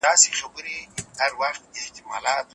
کومې ګټې د ښاري مهاجرت په ترڅ کي تر لاسه کیږي؟